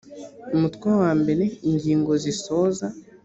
umutwe wa mbere ingingo zisoza